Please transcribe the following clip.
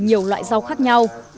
từ nhiều loại rau khác nhau